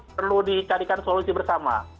perlu dicarikan solusi bersama